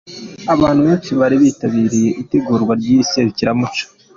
Abantu benshi bari bitabiriye itegurwa ry'iri Serukiramuco.